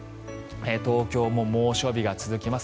東京も猛暑日が続きます。